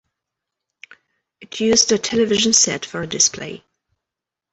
It used a television set for a display.